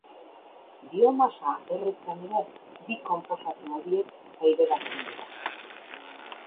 Biomasa erretzean ere, bi konposatu horiek aireratzen dira.